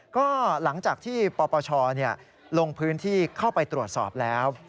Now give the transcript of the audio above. ก็หลังจากที่ปปชลงพื้นที่เข้าไปตรวจสอบแล้ว